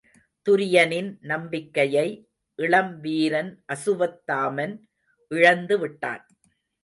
துரியனின் நம்பிக்கையை இளம் வீரன் அசுவத்தாமன் இழந்துவிட்டான்.